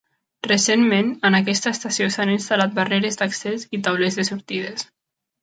Recentment, en aquesta estació s'han instal·lat barreres d'accés i taulers de sortides.